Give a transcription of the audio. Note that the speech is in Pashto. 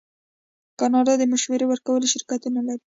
کاناډا د مشورې ورکولو شرکتونه لري.